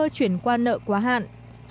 nguy cơ chuyển qua nợ quá hạn